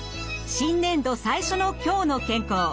新年度最初の「きょうの健康」。